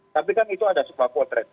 tapi kan itu ada sebuah potret